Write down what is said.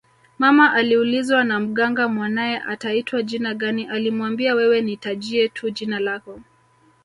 Mama aliulizwa na Mganga mwanae ataitwa jina gani alimuambia wewe nitajie tu jina lako